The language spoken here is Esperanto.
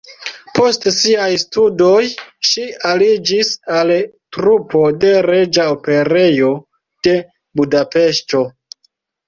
Post siaj studoj ŝi aliĝis al trupo de Reĝa Operejo de Budapeŝto.